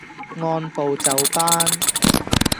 按部就班